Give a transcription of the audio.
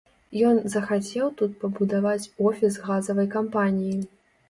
Ён захацеў тут пабудаваць офіс газавай кампаніі.